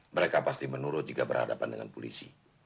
mereka pasti menurut juga berhadapan dengan polisi